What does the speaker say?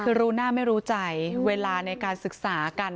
คือรู้หน้าไม่รู้ใจเวลาในการศึกษากัน